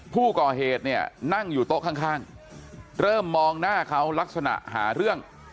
ผู้ก่อเหตุเนี่ยนั่งอยู่โต๊ะข้างเริ่มมองหน้าเขาลักษณะหาเรื่อง